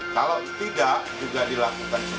kalau tidak juga dilakukan semacam apa